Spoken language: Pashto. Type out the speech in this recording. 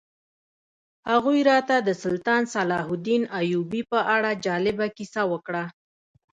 هغوی راته د سلطان صلاح الدین ایوبي په اړه جالبه کیسه وکړه.